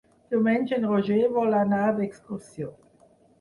Diumenge en Roger vol anar d'excursió.